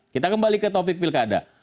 kita kembali ke topik pilkada